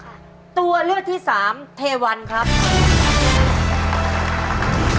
ช่วงมีชื่อไทยว่าอะไร